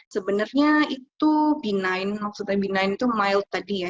sebenarnya itu benin maksudnya benin itu mild tadi ya